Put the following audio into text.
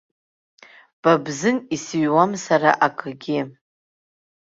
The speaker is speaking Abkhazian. Ба бзын исыҩуам сара акгьы.